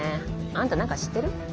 あんた何か知ってる？